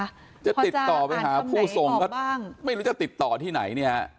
พอจะอ่านทำไหนบอกบ้างไม่รู้จะติดต่อที่ไหนเนี่ย